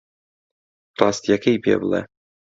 ڕاستییەکەی پێ بڵێ.